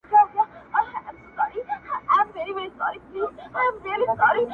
خریې ځانته وو تر تلو نیژدې کړی٫